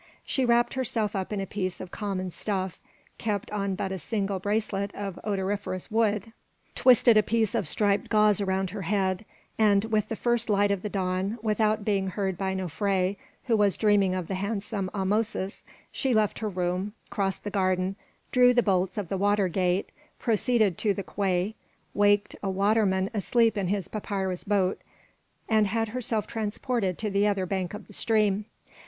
She wrapped herself up in a piece of common stuff, kept on but a single bracelet of odoriferous wood, twisted a piece of striped gauze around her head, and with the first light of the dawn, without being heard by Nofré, who was dreaming of the handsome Ahmosis, she left her room, crossed the garden, drew the bolts of the water gate, proceeded to the quay, waked a waterman asleep in his papyrus boat, and had herself transported to the other bank of the stream.